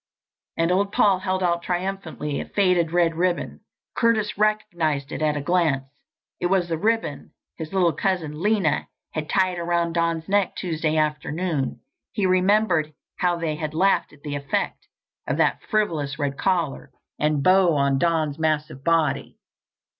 And old Paul held out triumphantly a faded red ribbon. Curtis recognized it at a glance. It was the ribbon his little cousin, Lena, had tied around Don's neck Tuesday afternoon. He remembered how they had laughed at the effect of that frivolous red collar and bow on Don's massive body.